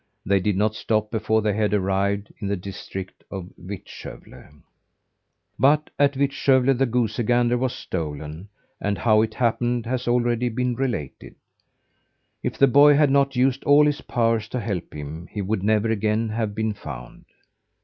They did not stop before they had arrived in the district of Vittskövle. But at Vittskövle the goosey gander was stolen, and how it happened has already been related. If the boy had not used all his powers to help him he would never again have been found.